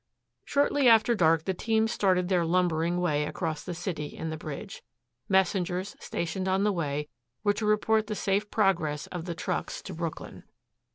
Shortly after dark the teams started their lumbering way across the city and the bridge. Messengers, stationed on the way, were to report the safe progress of the trucks to Brooklyn.